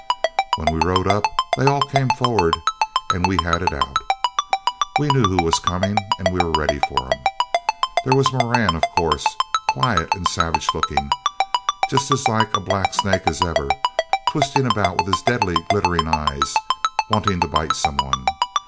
When we rode up they all came forward and we had it out. We knew who was coming, and were ready for 'em. There was Moran, of course, quiet and savage looking, just as like a black snake as ever twisting about with his deadly glittering eyes, wanting to bite some one.